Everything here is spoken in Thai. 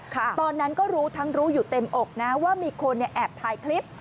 ตอนนั้นก็รู้ทั้งรู้อยู่เต็มอกนะว่ามีคนแอบถ่ายคลิป